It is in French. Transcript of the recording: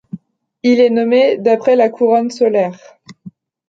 Il est nommé d'après la couronne solaire.